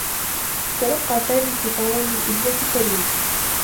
تلقّى سامي اتّصالا من ابنة فريد.